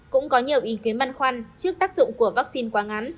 cũng có nhiều ý kế măn khoăn trước tác dụng của vaccine quá ngắn